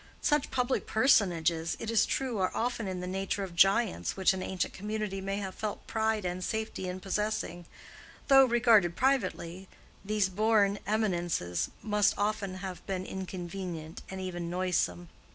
Such public personages, it is true, are often in the nature of giants which an ancient community may have felt pride and safety in possessing, though, regarded privately, these born eminences must often have been inconvenient and even noisome.